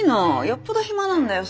よっぽど暇なんだよ